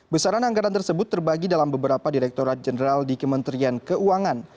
besaran anggaran tersebut terbagi dalam beberapa direkturat jenderal di kementerian keuangan